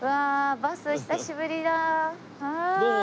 バス久しぶりだ。